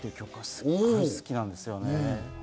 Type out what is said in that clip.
すごく好きなんですよね。